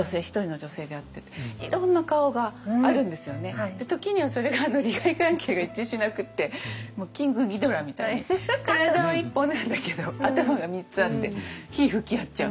自分と時にはそれが利害関係が一致しなくてキングギドラみたいに体は１本なんだけど頭が３つあって火噴き合っちゃうみたいな。